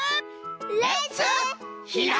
レッツひらめき！